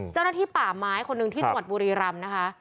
เจ้านักที่ป่าไม้คนหนึ่งที่ตรวจบุรีรำนะคะ